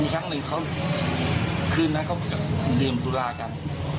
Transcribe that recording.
ครั้งหนึ่งเขาคืนนั้นเขาดื่มสุรากัน